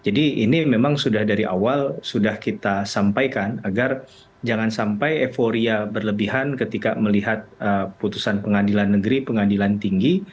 jadi ini memang sudah dari awal sudah kita sampaikan agar jangan sampai euforia berlebihan ketika melihat putusan pengadilan negeri pengadilan tinggi